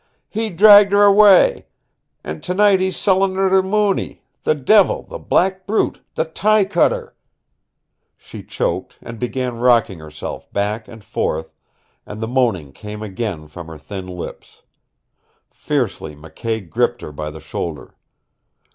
He dragged her away, and tonight he's sellin' her to Mooney the devil the black brute the tie cutter " She choked, and began rocking herself back and forth, and the moaning came again from her thin lips. Fiercely McKay gripped her by the shoulder.